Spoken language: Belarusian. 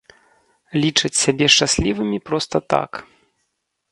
Лічаць сябе шчаслівымі проста так.